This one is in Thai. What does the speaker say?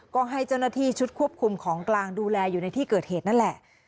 ก็ให้เจ้าหน้าที่ชุดควบคุมของกลางดูแลอยู่ในที่เกิดเหตุนั่นแหละ